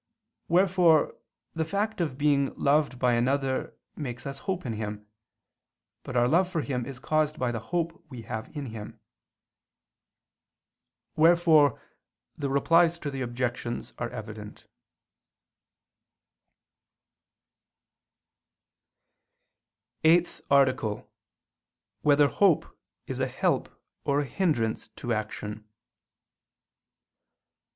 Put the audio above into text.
Wherefore the fact of being loved by another makes us hope in him; but our love for him is caused by the hope we have in him. Wherefore the Replies to the Objections are evident. ________________________ EIGHTH ARTICLE [I II, Q. 40, Art. 8] Whether Hope Is a Help or a Hindrance to Action?